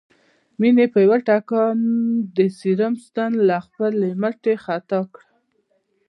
مينې په يوه ټکان د سيروم ستن له خپلې مټې خطا کړه